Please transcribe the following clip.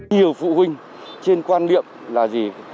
nhiều phụ huynh trên quan điểm là gì